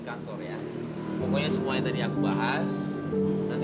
kamu mau aku jujur atau enggak